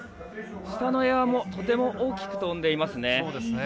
下のエアもとても大きく飛んでいますね。